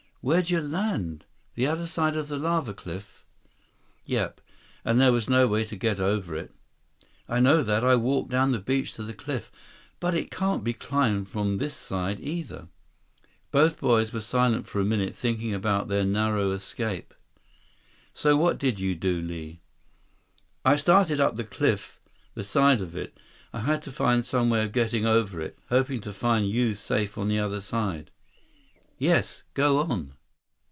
"Where'd you land? The other side of that lava cliff?" "Yep. And there was no way to get over it." "I know that. I walked down the beach to the cliff, but it can't be climbed from this side, either." Both boys were silent for a minute, thinking about their narrow escape. "So what did you do, Li?" "I started up the cliff, the side of it. I had to find some way of getting over it, hoping to find you safe on the other side." "Yes, go on."